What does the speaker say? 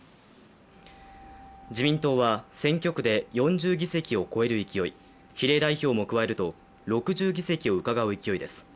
自民党は選挙区で４０議席を超える勢い、比例代表も加えると６０議席をうかがう勢いです。